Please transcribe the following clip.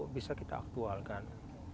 bisa kita aktualkan